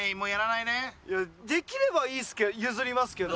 いやできればいいですけど譲りますけど。